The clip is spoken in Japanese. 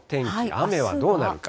雨はどうなるか。